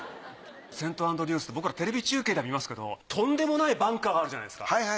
セント・アンドリュースって僕らテレビ中継では見ますけどとんでもないバンカーがあるじゃないですか。